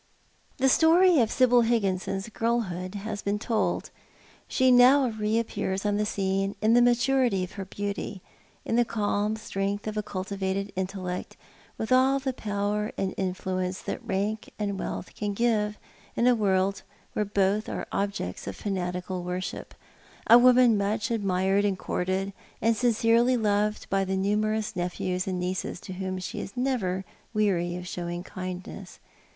The story of Sibyl Higginson's girlhood has been told. She now reappears on the scene in the maturity of her beauty, in the calm strength of a cultivated intellect, with all the power and influence that rank and wealth can give in a world whero both are objects of fanatical worship, a woman much admired and courted, and sincerely loved by the numerous nephews and nieces to whom she is never weary of showing kindness.